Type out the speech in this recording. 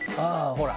ほら！